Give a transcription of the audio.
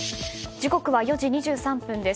時刻は４時２３分です。